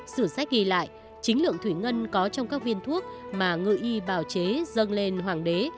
sử sách ghi lại chính lượng thủy ngân có trong các viên thuốc mà người y bào chế dâng lên hoàng đế